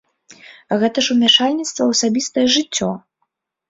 Гэта ж умяшальніцтва ў асабістае жыццё!